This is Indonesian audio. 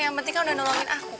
yang penting kan udah nolongin aku